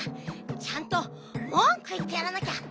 ちゃんともんくいってやらなきゃ！